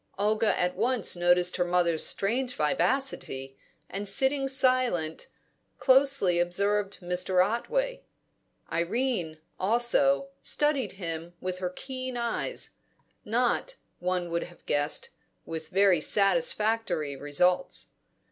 Olga at once noticed her mother's strange vivacity, and, sitting silent, closely observed Mr. Otway. Irene, also, studied him with her keen eyes; not, one would have guessed, with very satisfactory results.